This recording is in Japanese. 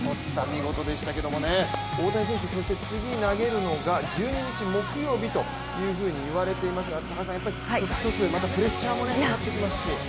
見事でしたけども大谷選手、そして次投げるのが１２日、木曜日といわれていますがやっぱりまた１つ、プレッシャーもかかってきますし。